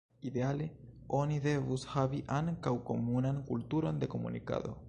Ideale oni devus havi ankaŭ komunan kulturon de komunikado.